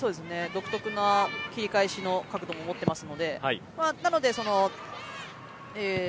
独特な切り返しの角度も持っていますので。